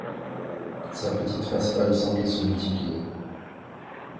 Sa petite face pâle semblait se multiplier.